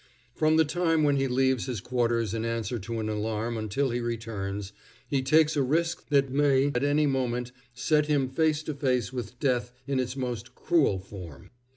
From the time when he leaves his quarters in answer to an alarm until he returns, he takes a risk that may at any moment set him face to face with death in its most cruel form.